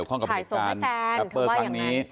ว่าถ่ายสวมให้แฟน